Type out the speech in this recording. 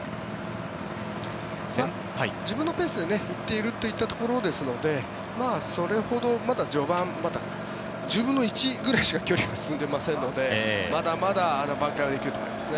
自分のペースで行っているというところなのでそれほどまだ序盤１０分の１ぐらいしか距離は進んでいませんのでまだまだばん回できると思います。